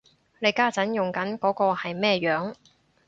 你家陣用緊嗰個係咩樣